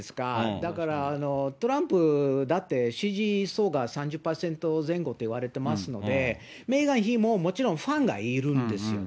だから、トランプだって支持層が３０％前後といわれてますので、メーガン妃ももちろんファンがいるんですよね。